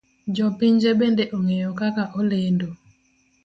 Jo pinje bende ong'eye kaka olendo.